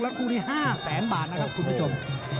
คู่นี้๕แสนบาทนะครับคุณผู้ชม